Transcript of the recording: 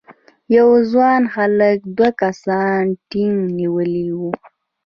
یو ځوان هلک دوه کسانو ټینک نیولی و.